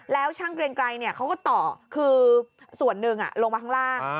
แล้วช่างเกรงไกรเขาก็ต่อคือส่วนหนึ่งลงมาข้างล่าง